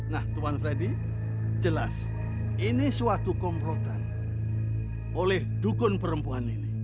nah tuan freddy jelas ini suatu komplotan oleh dukun perempuan ini